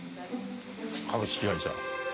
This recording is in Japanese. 株式会社。